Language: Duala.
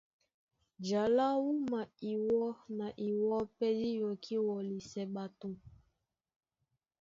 Ja lá wúma iwɔ́ na iwɔ́ pɛ́ dí yɔkí wɔlisɛ ɓato .